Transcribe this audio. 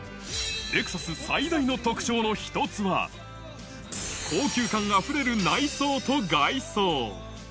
レクサス最大の特徴の一つは、高級感あふれる内装と外装。